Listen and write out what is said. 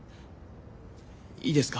いいですか？